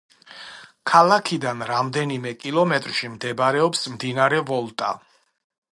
ქალაქიდან რამდენიმე კილომეტრში მდებარეობს მდინარე ვოლტა.